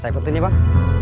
saya penting ya bang